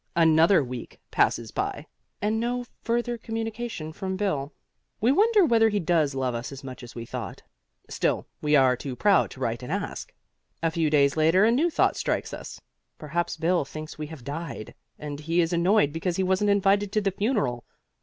Another week passes by, and no further communication from Bill. We wonder whether he does love us as much as we thought. Still we are too proud to write and ask. A few days later a new thought strikes us. Perhaps Bill thinks we have died and he is annoyed because he wasn't invited to the funeral.